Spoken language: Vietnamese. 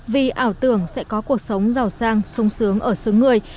vì ảo tưởng sẽ có cuộc sống giàu sang sung sướng ở xứ người